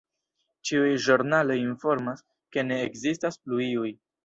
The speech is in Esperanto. Ĉiuj ĵurnaloj informas, ke ne ekzistas plu iuj!